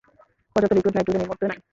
পর্যাপ্ত liquid nitrogen এই মুহূর্তে নেই।